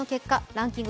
ランキング